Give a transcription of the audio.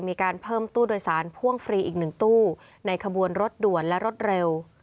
มีการเพิ่มตู้โดยสารพ่วงฟรีอีก๑ตู้ในขบวนรถด่วนและรถเร็ว